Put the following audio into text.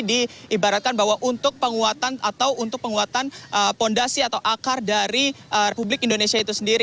diibaratkan bahwa untuk penguatan atau untuk penguatan fondasi atau akar dari republik indonesia itu sendiri